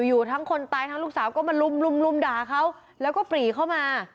อยู่ทั้งคนตายทั้งลูกสาวก็มาลุมลุมด่าเขาแล้วก็ปรีเข้ามา